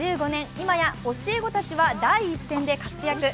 今や教え子たちは第一線で活躍。